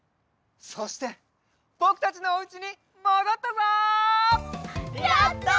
そしてぼくたちのおうちにもどったぞ！